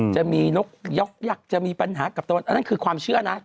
จะมีนกยอกยักษ์จะมีปัญหากับตะวันอันนั้นคือความเชื่อนะ